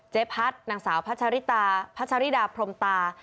เจ๊พัฒน์นางสาวพระชาวริตาพระชาวริดาพรมตา